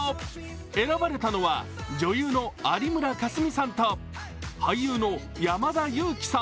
選ばれたのは、女優の有村架純さんと俳優の山田裕貴さん。